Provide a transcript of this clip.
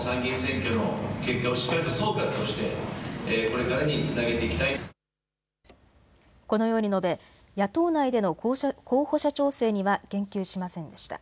このように述べ野党内での候補者調整には言及しませんでした。